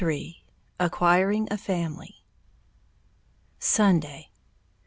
III ACQUIRING A FAMILY _Sunday.